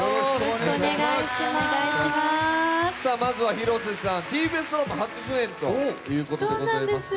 広瀬さん、ＴＢＳドラマ初主演ということでございます。